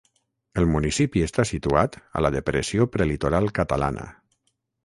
El municipi està situat a la depressió prelitoral catalana.